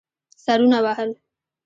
سرونه وهل.